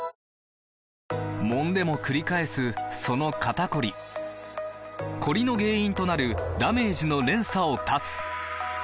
もんでもくり返すその肩こりコリの原因となるダメージの連鎖を断つ！